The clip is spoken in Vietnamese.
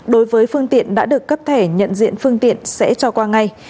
đối với phương tiện đã được cấp thẻ nhận diện phương tiện sẽ cho qua ngay